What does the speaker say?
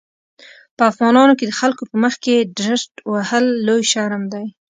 په افغانانو کې د خلکو په مخکې ډرت وهل لوی شرم دی.